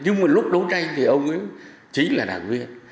nhưng mà lúc đấu tranh thì ông ấy chính là đảng viên